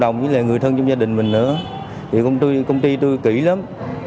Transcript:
người thân trong gia đình mình nữa thì công ty tôi kỹ lắm